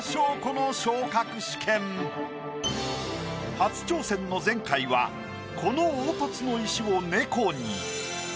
初挑戦の前回はこの凹凸の石を猫に。